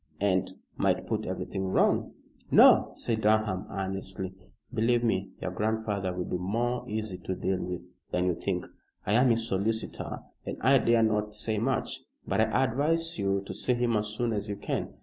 "And might put everything wrong." "No," said Durham, earnestly, "believe me, your grandfather will be more easy to deal with than you think. I am his solicitor and I dare not say much, but I advise you to see him as soon as you can.